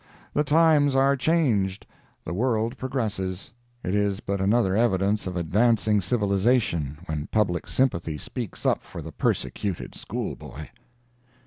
The times are changed. The world progresses. It is but another evidence of advancing civilization when public sympathy speaks up for the persecuted school boy.